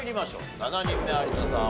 ７人目有田さん